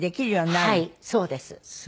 はいそうです。